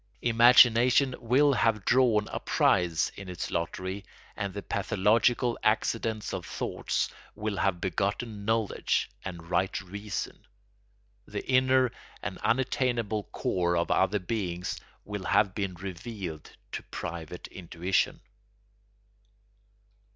Imagination will have drawn a prize in its lottery and the pathological accidents of thought will have begotten knowledge and right reason. The inner and unattainable core of other beings will have been revealed to private intuition.